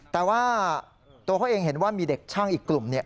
แต่ว่าตัวเขาเองเห็นว่ามีเด็กช่างอีกกลุ่ม